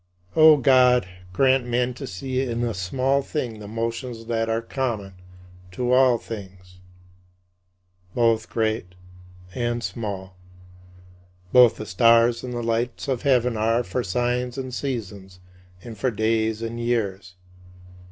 O God, grant men to see in a small thing the notions that are common to all things, both great and small. Both the stars and the lights of heaven are "for signs and seasons, and for days and years."